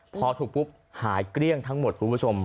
พอถูกปุ๊บหายเกลี้ยงทั้งหมดคุณผู้ชม